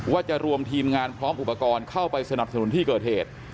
ว่าจะรวมทีมงานพร้อมอุปกรณ์เข้าไปสนับสนุนที่เกิดเหตุ